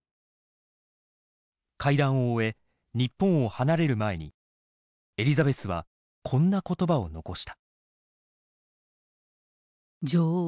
会談を終え日本を離れる前にエリザベスはこんな言葉を残した。